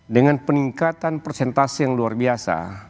dengan peningkatan persentase yang luar biasa